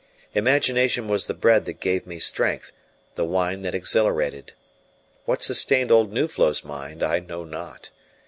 Imagination was the bread that gave me strength, the wine that exhilarated. What sustained old Nuflo's mind I know not.